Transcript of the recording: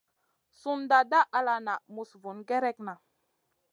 Sùha dah ala na muss vun gerekna.